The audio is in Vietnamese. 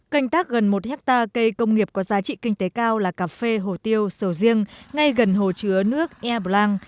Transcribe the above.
canh tác gần một hectare cây công nghiệp có giá trị kinh tế cao là cà phê hồ tiêu sầu riêng ngay gần hồ chứa nước ia blang